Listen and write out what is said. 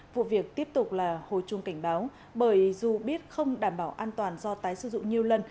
vụ việc tiếp tục là hồi chuông cảnh báo bởi dù biết không đảm bảo an toàn do tái sử dụng nhiều lần